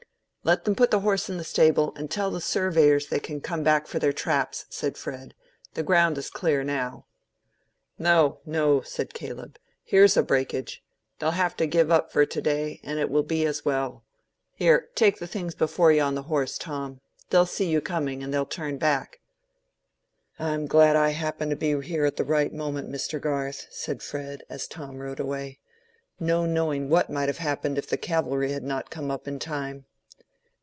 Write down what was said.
"Let them put the horse in the stable, and tell the surveyors they can come back for their traps," said Fred. "The ground is clear now." "No, no," said Caleb, "here's a breakage. They'll have to give up for to day, and it will be as well. Here, take the things before you on the horse, Tom. They'll see you coming, and they'll turn back." "I'm glad I happened to be here at the right moment, Mr. Garth," said Fred, as Tom rode away. "No knowing what might have happened if the cavalry had not come up in time."